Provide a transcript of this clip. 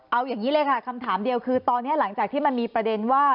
เอาอย่างนี้เลยค่ะคำถามเดียวคือตอนนี้หลังจากที่มันมีประเด็นว่า